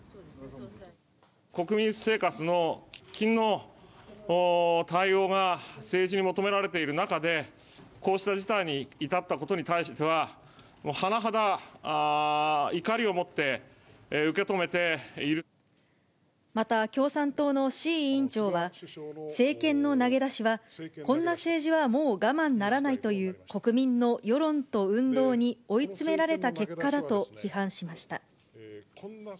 国民生活の喫緊の対応が政治に求められている中で、こうした事態に至ったことに対しては、また、共産党の志位委員長は、政権の投げ出しは、こんな政治はもう我慢ならないという、国民の世論と運動に追い詰められた結果だと批判しました。